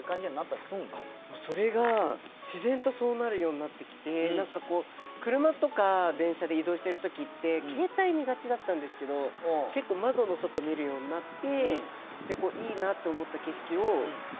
それが自然とそうなるようになってきて車とか電車で移動してる時って携帯見がちだったんですけど結構窓の外見るようになって。